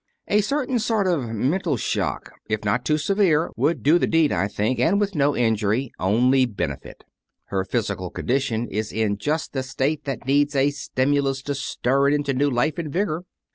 "A certain sort of mental shock if not too severe would do the deed, I think, and with no injury only benefit. Her physical condition is in just the state that needs a stimulus to stir it into new life and vigor."